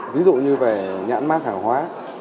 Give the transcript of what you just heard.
ví dụ như về nhãn mát hàng hóa